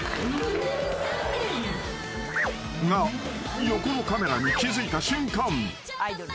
［が横のカメラに気付いた瞬間］